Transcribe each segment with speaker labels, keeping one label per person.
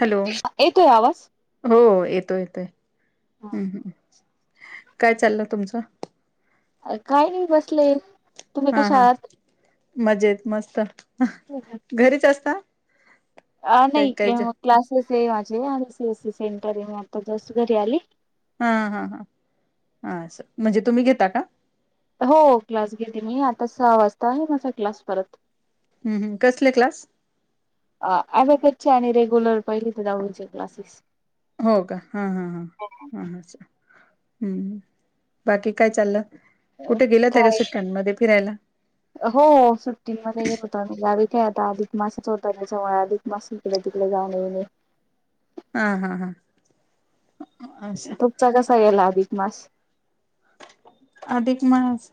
Speaker 1: Hello
Speaker 2: येतोय आवाज.
Speaker 1: हो येतो येतोये. हम्म हम्म. काय चाललं तुमचं.
Speaker 2: अ काय नाही बसले. तुम्ही
Speaker 1: हा
Speaker 2: कशा
Speaker 1: हा
Speaker 2: आहात.
Speaker 1: मजेत मस्त घरीच असता
Speaker 2: अ
Speaker 1: काय
Speaker 2: नाही
Speaker 1: काय ज
Speaker 2: क्लासेस सेवाचे आणि S C S C centre मध्ये आता जस्ट घरी आली
Speaker 1: हा हा हा हा. असं म्हणजे तुम्ही घेता का
Speaker 2: हो क्लास घेते मी आता सहा वाजता आहे माझा क्लास परत
Speaker 1: हम्म हम्म. कसले क्लास
Speaker 2: अ अहो कच्या आणि रे ओल्लव पहिली तर जाऊडीचे क्लासेस
Speaker 1: हो का हा हा हा हा हा असं. हम्म बाकी काय चाललं कुठे गेला तरी
Speaker 2: काय
Speaker 1: सुटका नाय देत फिरायला
Speaker 2: हो सुट्टीं मध्ये गलो होतो आम्ही गावी काय आता अधिक मासच होत याच्यामुळे अधिक मास तिकडे तिकडे जाणे येणे
Speaker 1: हा हा हा असं
Speaker 2: तुमचा कसा गेला अधिक मास
Speaker 1: अधिक मास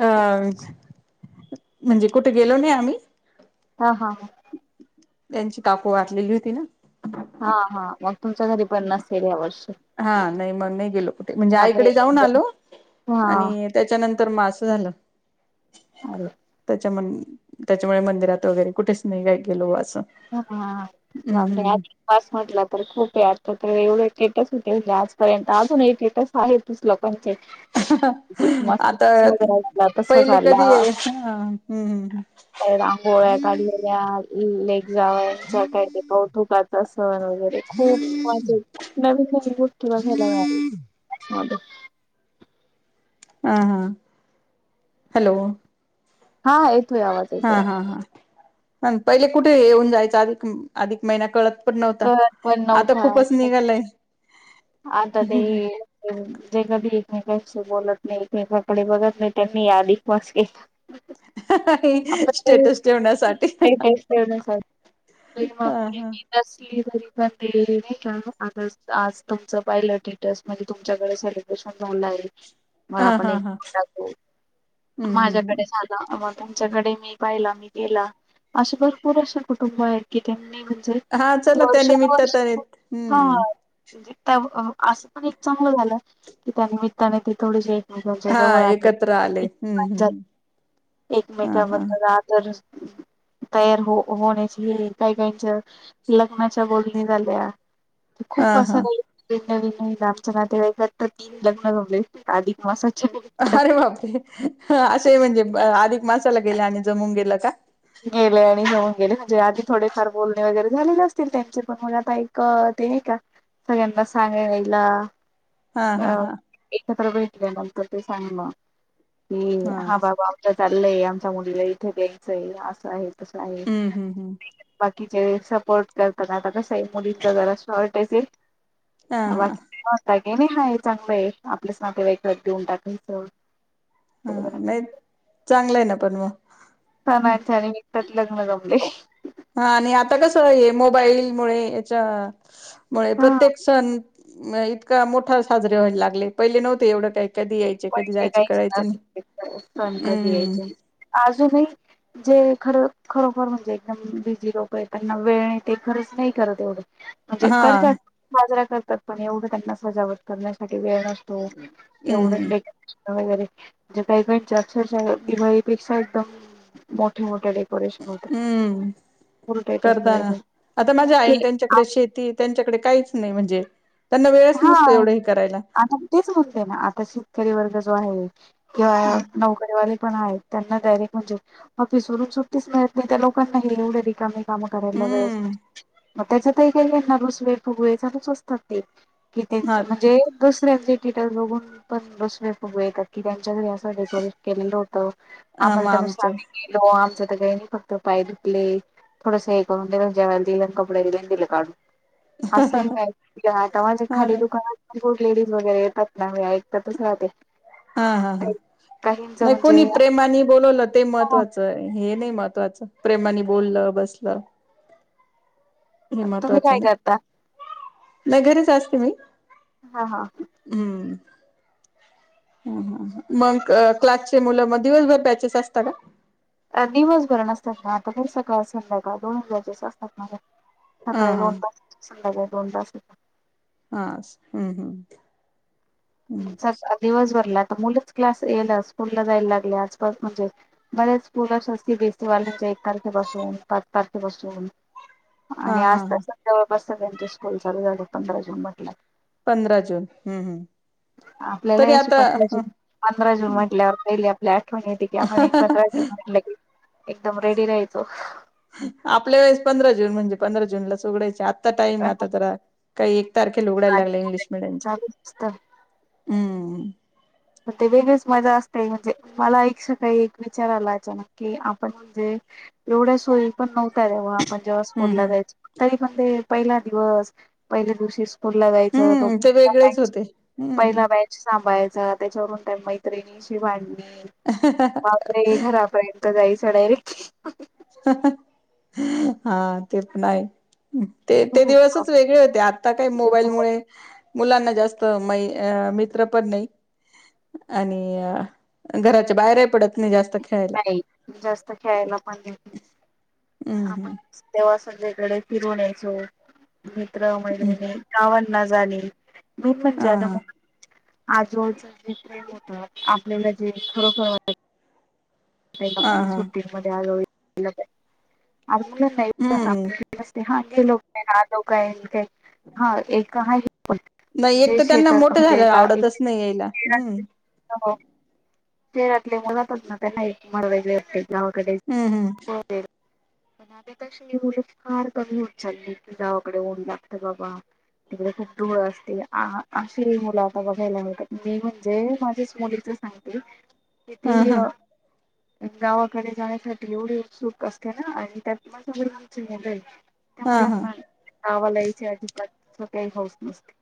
Speaker 1: अ.. ज. म्हणजे कुठे गेलो नाही आम्ही
Speaker 2: हा हा हा
Speaker 1: त्यांची काकू वारलेली होती ना
Speaker 2: हा हा वार...
Speaker 1: म. मः. हा नाही मग नाही गेलो कुठे म्हणजे
Speaker 2: बापरे!
Speaker 1: आईकडे जाऊन आलो
Speaker 2: हा
Speaker 1: आणि त्याच्यानंतर मग असं झालं
Speaker 2: आले
Speaker 1: च्या. मं. त्याच्यामुळे मंदिरात वगैरे कुठेच नाही काय गेलो असं
Speaker 2: ह आ
Speaker 1: हम्म
Speaker 2: आणि त्यात पास म्हटलं तर खूप आ त तर एवढं केटस होते आज पण अजून एक केटस आहे किस्त लोकांचे
Speaker 1: हा हा हा आता
Speaker 2: तस
Speaker 1: पहिली
Speaker 2: झाला
Speaker 1: कधी आहे ह ह हम्
Speaker 2: काही कायमचा काढते कवटी बग असल वगैरे खूप काही गोष्टी बघायला मिळाल्या
Speaker 1: हा हा हॅलो
Speaker 2: हाय ते आवाज येतोय ना
Speaker 1: अन पहिले कुठे येऊन जायचं अधिक अधिक महिना कळत पण
Speaker 2: कळत पण
Speaker 1: आता खूपच
Speaker 2: नव्हता
Speaker 1: निघालाय
Speaker 2: आता ते जे कधी येत नाही अशी बोलत नाही एकमेकाकडे बघत नाही त्यांनी आधिक मास के [unintelligible]
Speaker 1: स्टेटस ठेवण्यासाठी ह ह
Speaker 2: घरी पण [unintelligible] आज तुमचं पाहिलं स्टेटस म्हणे तुमच्या घरी सेलिब्रेशन रोल आहे. मग
Speaker 1: हा
Speaker 2: आपण
Speaker 1: हा
Speaker 2: एक
Speaker 1: हा
Speaker 2: मिनिटात बोलू
Speaker 1: हम्म हम्म हम्
Speaker 2: माझ्याकडे साधा. त्यांच्याकडे मी पहिला मी गेला अशी भरपूर अशी कुटुंब आहेत की त्यांनी
Speaker 1: हा चल त्यानिमित्ततर हूं.
Speaker 2: म्हणजेअहं असं पण एक चांगल झालं त्या निमित्ताने ते थोडेसे.
Speaker 1: हा
Speaker 2: त्यांच्याजवळ आहे
Speaker 1: एकत्र आले
Speaker 2: एक
Speaker 1: हम्म हम्म हा
Speaker 2: एकमेकांच्या
Speaker 1: हा
Speaker 2: बद्दल आदर. तयार हो होण्याची काही काहींच्या लग्नाचे बोलणी झाल्या.
Speaker 1: हा
Speaker 2: पा सा
Speaker 1: हा
Speaker 2: गाई. नवीन नवीन लांबचे नातेवाईकात तर तीन लग्न जमले अधिक मासात.
Speaker 1: अरे बापरे हं असे म्हणजे आधीक माशाला गेले आणि जमून गेलं का.
Speaker 2: गेले आणि जमून गेले म्हणजे आधी थोडेफार बोलणे वगैरे झालेलं असतील त्यांच्या मनात आहे का ते नाही का सगळ्यांना सांगायला.
Speaker 1: हा हा
Speaker 2: आ
Speaker 1: हा
Speaker 2: एकत्र भेटणे त्या नंतरते सांगणं कि हा बाबा आमच्या जातीत. नई आमच्या मुलीला येथे द्यायचा आहे. असं आहे. तस आहे
Speaker 1: हम्म हम्म हम्म
Speaker 2: बाकी. म्हणजे सपोर्ट करनाता आता कस मुलींचा जरा शॉर्ट
Speaker 1: हा
Speaker 2: चाय
Speaker 1: हा
Speaker 2: बाकी ये मी हाय चांगलं आहे आपल्याच नातेवाईकात देऊन टाकायचं.
Speaker 1: हं चांगला आहे ना पण वा
Speaker 2: पण आय चांगली. त्यात लग्न जमले.
Speaker 1: हा आणि आता कस आहे मोबाईल मुळे याच्या मुळे
Speaker 2: हा
Speaker 1: प्रत्येक सण इतका मोठा साजरे व्हायला लागले पहिले नव्हते एवढं काही. कधी यायचे
Speaker 2: पण
Speaker 1: कधी
Speaker 2: ते
Speaker 1: जायचे
Speaker 2: काही
Speaker 1: कळायचं
Speaker 2: सुधारले नाही पण कधी
Speaker 1: हम्म
Speaker 2: यायचे अजूनही जे. खरं खरोखर म्हणजे एकदम बिझी लोक आहे त्यांना वेळ ते खरच नाही करत एवढं. म्हणजे
Speaker 1: हा
Speaker 2: करतात साजरा. करतात पण एवढं त्यांना सजावट करण्यासाठी वेळ नसतो. हो
Speaker 1: हम्म हम्म
Speaker 2: एवढं एक. वगैरे म्हणे काही का च दिवाळीपेक्षा एकदम मोठ्या मोठ्या
Speaker 1: हम्म
Speaker 2: उलटायचं सगळं
Speaker 1: करताना आता
Speaker 2: मग
Speaker 1: माझ्या
Speaker 2: ते
Speaker 1: आईन त्यांच्याकडे शेती त्यांच्याकडे काहीच नाही म्हणजे त्यांना वेळच
Speaker 2: हा
Speaker 1: नसतो एवढं हे करायला
Speaker 2: आता तेच म्हणतेना आता शेतकरी वर्ग आहे किंवा नोकरीवाले पण आहेत त्यांना डायरेक्ट म्हणजे ऑफिसवरून सुट्टीच मिळत नाही त्या लोकांना हे एवढं रिकाम काम करायला वेळ
Speaker 1: हम्म
Speaker 2: च मग त्याच्यातही काही रुसवे फुगवे चालूच असतात ते कि
Speaker 1: हा
Speaker 2: म्हणजे दुसऱ्यांचे तिथेच बघून पण रुसवे फुगवे प्रत्येकाच्या घरी असतात बरेच केलेलं होत
Speaker 1: हा
Speaker 2: आम्हाला
Speaker 1: मग
Speaker 2: त्याने
Speaker 1: आमचं
Speaker 2: गेलो आमच सगळ्यांनी फक्त पाय धुतले थोडस हे करून त्यांना जेवायला दिलं आणि कपड्या दिलं आणि दिलं काढून असं
Speaker 1: हा
Speaker 2: खाली
Speaker 1: ना
Speaker 2: दुकानात खूप लेडीज वगैरे येतात ना मी ऐकतच राहते
Speaker 1: हा हा हा
Speaker 2: काहींच
Speaker 1: नाही
Speaker 2: म्हणजे
Speaker 1: कोणी प्रेमानी बोलवलं ते
Speaker 2: हो
Speaker 1: महत्वाचं हे नाही महत्त्वाचं प्रेमाने बोललं बसलं हे
Speaker 2: तुम्ही
Speaker 1: महत्वाचं
Speaker 2: काय करता
Speaker 1: नाही ल घरीच असते मी
Speaker 2: हा हा ह
Speaker 1: हम्म मग क्लासचे मुलं मग दिवसभर बॅचेस असतात का
Speaker 2: दिवसभर नसतात ना आता सकाळ संध्याकाळ दोन बॅचेस असतात माझ्या
Speaker 1: हा
Speaker 2: सकाळी दोन
Speaker 1: हा
Speaker 2: तास संध्याकाळी दोन तास
Speaker 1: हा हम्म हम्म हम्म
Speaker 2: दिवस भरला मुलंच क्लास येला स्कूल ला जायला लागले आजपास म्हणजे बऱ्याच स्कूल स सीबीएसी वाल्याच एक तारखेपसून पाच तारखेपसून
Speaker 1: हा
Speaker 2: आणि
Speaker 1: हा
Speaker 2: आज
Speaker 1: हा
Speaker 2: ता बस सगळ्यांचे स्कूल चालू झाले पंधरा जून म्हटलं
Speaker 1: पंधरा जून हम्म हम्
Speaker 2: आपल्याल अशी पंधरा जून म्हंटल्यावर पहिली फ्लॅट येते की आपण एकत्र म्हटलं की एकदम रेडी रायचो
Speaker 1: आपल्या वेळेस पंधरा जून म्हणजे, पंधरा जूनला उगडायचे आ आता टाईम आता जरा काही एक तारखे ल उघडायला लागला इंग्लिश मिीडियमच्या.
Speaker 2: चालू असतं
Speaker 1: हम
Speaker 2: म्हण ते वेगळीच मजा असते, म्हणजे मला एकश काही एक विचाराला अचानक, की आपण म्हणजे एवढ्या सोयी पण नव्हत तेव. मजे स्
Speaker 1: हम्म
Speaker 2: फोटला
Speaker 1: हम्म
Speaker 2: जायच तरी. म्ह पहिला दिवस पहिल्या दिवशी. तुरला जायचं तो
Speaker 1: हम्म ते वेगळेच
Speaker 2: पहिॅच
Speaker 1: होते हम्म
Speaker 2: पहिला बॅच सांभायचा. स [unintelligible] त्याच्यावरून त्या मैत्रिणीशी भांडली. बापरे घरापय. जाईचड र [unintelligible]
Speaker 1: हा ते पण आहे. ते ते दिवसच वेगळे होते आता काय मोबाईल मुळे. मुलांना जास्त म मित्र पण नाही, आणि घराच्या बाहेरही पडत नाही जास्त. खेळायला
Speaker 2: नाही जास्त खेळायला पण.
Speaker 1: हम्म
Speaker 2: आपण
Speaker 1: हम्म
Speaker 2: तेव. सगळीकडे फिरवण्याचो. मित्र
Speaker 1: हम्म
Speaker 2: मैत्रिणी गावात. ना जानि. बी पण
Speaker 1: हा
Speaker 2: जदा म.
Speaker 1: हा
Speaker 2: आजबाजू जे प्रेम होतात आपल्याला जे खरोखर वाट ला
Speaker 1: हा
Speaker 2: पण
Speaker 1: हा
Speaker 2: सुट्टी मध्ये आलो. हो का [unintelligible] अ
Speaker 1: हम्म
Speaker 2: नाहीते हा [unintelligible] लोक ना लो का [unintelligible] हा एक आहे
Speaker 1: नाही एक
Speaker 2: जे
Speaker 1: तर
Speaker 2: शेत
Speaker 1: त्यांना मोठं
Speaker 2: म्हजे.
Speaker 1: झाल्यावर आवडतच नाही यायला हम्म
Speaker 2: शरातले मनतच ना. नाही मग वगळे होते. [unintelligible] याव कडेच
Speaker 1: हम्म
Speaker 2: [unintelligible] हो [unintelligible] पण आता ची मुले फार कमी होत चालली, की गावाकडे ऊन लागते बाबा तिकडे खूप धुळं असते, आशि मुलं आता बघायला मिळतात, मी म्हणजे माझाच मुलीच सांगते
Speaker 1: हम्म
Speaker 2: किती
Speaker 1: हा
Speaker 2: य गावाकडे जाण्यासा एवढी उत् सूक असते ना, आणि त्यात. मग आमची मुले त्या
Speaker 1: हा हा
Speaker 2: मुलाना. आणि आवा लायचे आजीबात काही हाऊस नसते.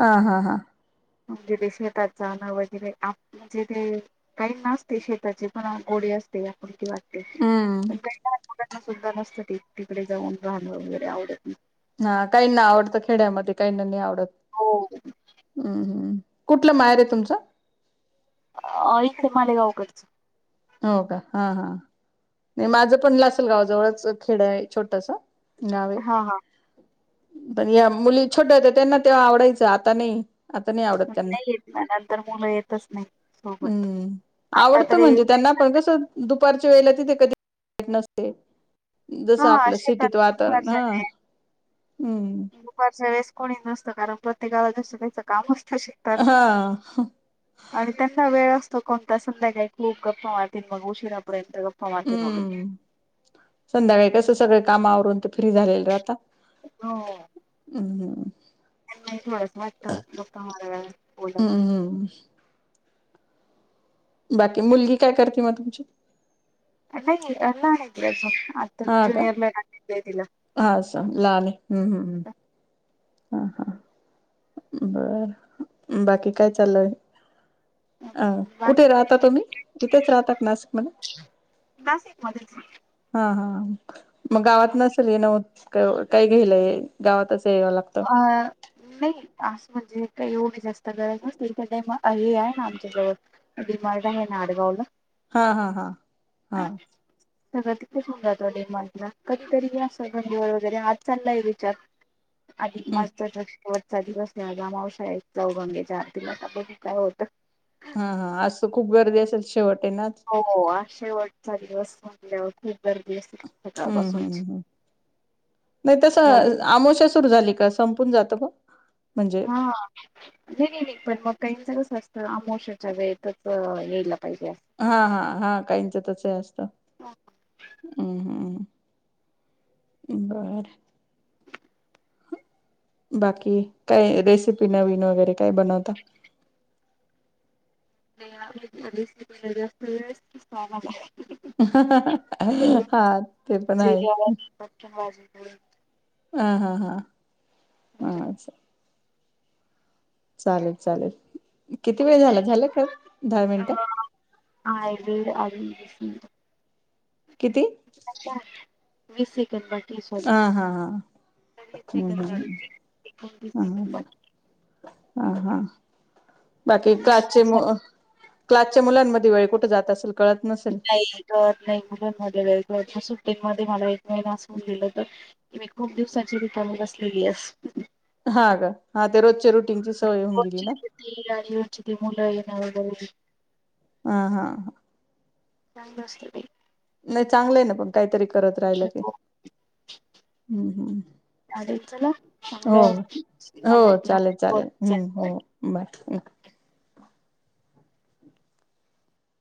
Speaker 1: हा हा हा
Speaker 2: म्हणजे ते शेताचा ना वगैरे म्हणजे ते काही नाते शेताचे पण ओडे असते आपण किवा
Speaker 1: हम
Speaker 2: सुंदर नसतं ते तिकडे जाऊन राहणं वगैरे आवडत ना
Speaker 1: हा काहींना आवडतं खेड्यामध्ये काहींना नाही आवडत.
Speaker 2: हो
Speaker 1: हम्म हम्म कुठलं मायेर आहे तुमचं
Speaker 2: अ इथे मालेगावकडच
Speaker 1: हो का हा हा नाही माझं पण लासलगावजवळच खेड आहे छोटस नावे
Speaker 2: हा हा
Speaker 1: पण या मुली छोट्या होत्या त्यांना तेव्हा आवडायचं आता नाही आता आवडत त्यांना
Speaker 2: नाही येत ना नंतर मुलं येतच नाही सोबत
Speaker 1: हम्म
Speaker 2: आता
Speaker 1: आवडतं
Speaker 2: तरी
Speaker 1: म्हणजे त्यांना बग असं दुपारच्या वेळेला ति कधी नसते जसं
Speaker 2: हा
Speaker 1: आपल्या
Speaker 2: शेतात
Speaker 1: सिटीत वातावरण हा
Speaker 2: दुपारच्या
Speaker 1: हम्म
Speaker 2: दुपारच्या वेळेस कोणी नसतं कारण प्रत्येकाला जेच त्याचं काम असतं काय
Speaker 1: हा
Speaker 2: शिकतात आणि त्यांना वेळ अस तो कोणता संध्याकाय खूप गप्पा मारतील मग उशिरापर्यंत गप्
Speaker 1: हम्म संध्याकाळी कस सगळे कामावरून ते फ्री झालेल राहता हम
Speaker 2: मला अस वाटत गप्पा माराव्या बोलाव
Speaker 1: हम्म बाकी मुलगी काय करते म तुमची
Speaker 2: नाही नाही ग आता ज्युनियरला तिला.
Speaker 1: आ स लाले हम्म हम् हम् हा हा बर बाकी काय चालय अ कुठे राहता
Speaker 2: बाकी
Speaker 1: तुम्ही इथेच राहताात नाशिकमध्ये
Speaker 2: नाशिक मध्येच
Speaker 1: हा हा ह् मग गावात नसेल नवत काय घेलंय गावातच यावं लागतं.
Speaker 2: अ नाही आज म्हणजे काही एवढी जास्त गरजं नसते. [unintelligible] आहे ना आमच्या आहे डिमार्ट आहे. [unintelligible] -
Speaker 1: हा हा हा हा.
Speaker 2: सगळं तिथेच मिळत डिमार्टला कधीतरी वेळ असतो दोन दिवस वगैरे आज चाललंय विचारं.
Speaker 1: हम्म.
Speaker 2: अधिकमास. [unintelligible] चा दिवस त्यांचा मावश्या यायच्यां. [unintelligible] [unintelligible]
Speaker 1: हा हा असं खूप गर्दी असेलं शेवटं.
Speaker 2: हो, आज शेवटचा दिवस पण. गावात पण गर्दी असते.
Speaker 1: हम्म,
Speaker 2: सकाळपासूनची.
Speaker 1: हम्मम् नाही तसं
Speaker 2: ज्यावेळेस
Speaker 1: आमावश्या सुरू झाली का संप - होऊन जातं गं.
Speaker 2: हा नाही, नाही, नाही पण मगं काहींचा - फक्त अमावस्येच्या वेळेतचं यायलां.
Speaker 1: हा, हा, हा काहींच तस असतं
Speaker 2: असं.
Speaker 1: हम्म, हम्म. बरं. बाकी कायं रेसिपी नवीनं वगैरे कायं बनवता.
Speaker 2: [inaudible]
Speaker 1: हा ते पण आहे.
Speaker 2: हो.
Speaker 1: हा- हा- हा. हा
Speaker 2: म्हणजे
Speaker 1: अच्छा. चालेलं चालेलं.
Speaker 2: अं. [unintelligible] हम्.
Speaker 1: किती?
Speaker 2: वीस एकर बाग.
Speaker 1: हा- हा-हा- हम्म-
Speaker 2: सेकंड झाली
Speaker 1: हम् -हम्-
Speaker 2: एकोणतीस सेकंड बाकी
Speaker 1: हम् -हा हा. बाकी
Speaker 2: चांगला
Speaker 1: क्लासचे मग क्ला - मुलांमध्ये वेळ कुठे जातं असेल. कळत नसेल
Speaker 2: नाही तरं नाही मुलांमध्ये वेळ पण. सुट्टी मध्ये मला एक महिना असून दिेल, तरी मी खूप दिवसाची रिकामी बसलेली आहे.
Speaker 1: हा गं हा ते रोजचे रुटीनचे
Speaker 2: [inaudible] वरची ते मुलं. [inaudible]
Speaker 1: हा, हा.
Speaker 2: चांगलं असतं ते.
Speaker 1: चांगले आहे ना पण काहीतरी - करत राहिल की, हम हम,
Speaker 2: चालेल चला
Speaker 1: हो
Speaker 2: चांगला
Speaker 1: हो
Speaker 2: झाला
Speaker 1: चालेलं चालेल
Speaker 2: आपला
Speaker 1: हम बाय.